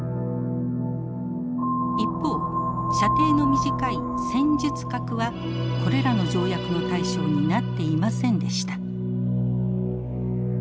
一方射程の短い戦術核はこれらの条約の対象になっていませんでした。